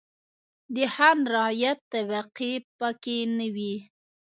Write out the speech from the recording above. د خان-رعیت طبقې پکې نه وې.